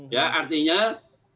ya artinya ini sudah